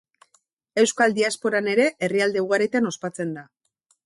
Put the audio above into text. Euskal diasporan ere herrialde ugaritan ospatzen da.